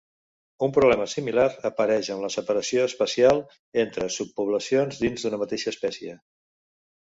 Un problema similar apareix en la separació espacial entre subpoblacions dins d'una mateixa espècie.